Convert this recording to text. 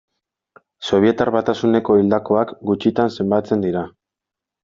Sobietar Batasuneko hildakoak gutxitan zenbatzen dira.